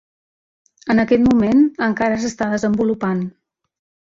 En aquest moment, encara s'està desenvolupant.